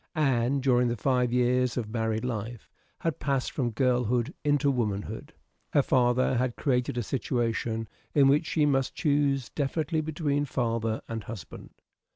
Anne, during the five years of married life, had passed from girlhood into womanhood. Her father had created a situation in which she must choose definitely between father and husband.